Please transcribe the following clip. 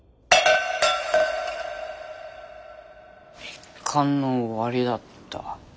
一巻の終わりだった。